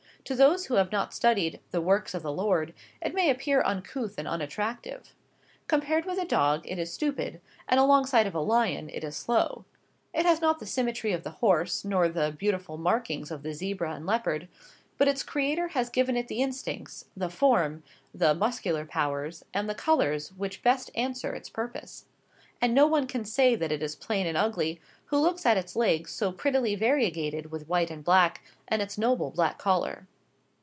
To those who have not studied "the works of the Lord," it may appear uncouth and unattractive. Compared with a dog, it is stupid; and alongside of a lion, it is slow. It has not the symmetry of the horse, nor the beautiful markings of the zebra and leopard. But its Creator has given it the instincts, the form, the muscular powers, and the colours which best answer its purpose. And no one can say that it is plain and ugly, who looks at its legs so prettily variegated with white and black, and its noble black collar.